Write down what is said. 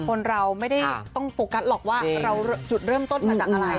คนเราไม่ได้ต้องโฟกัสหรอกว่าเราจุดเริ่มต้นมาจากอะไร